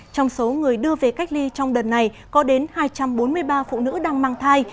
trong số người đưa về cách ly trong đợt này có đến hai trăm bốn mươi ba phụ nữ đang mang thai